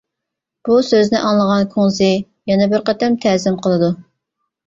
بۇ سۆزنى ئاڭلىغان كۇڭزى يەنە بىر قېتىم تەزىم قىلىدۇ.